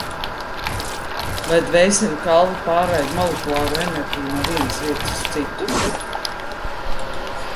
Vai dvēseļu kalve pārraida molekulāro enerģiju no vienas vietas uz citu?